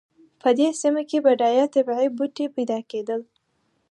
په دې سیمه کې بډایه طبیعي بوټي پیدا کېدل.